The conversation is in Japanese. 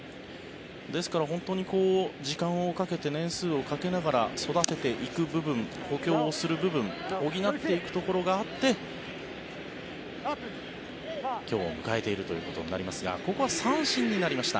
ですから本当に時間をかけて年数をかけながら育てていく部分、補強をする部分補っていくところがあって今日を迎えているということになりますがここは三振になりました。